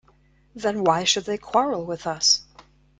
Then why should they quarrel with us?